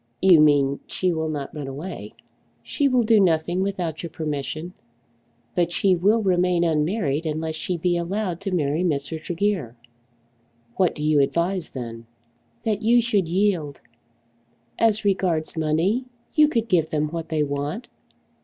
"You mean, she will not run away." "She will do nothing without your permission. But she will remain unmarried unless she be allowed to marry Mr. Tregear." "What do you advise then?" "That you should yield. As regards money, you could give them what they want.